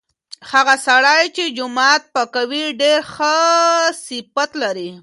هغه سړی چې جومات پاکوي ډیر ښه صفت لري.